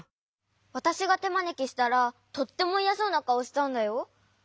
わたしがてまねきしたらとってもいやそうなかおしたんだよ。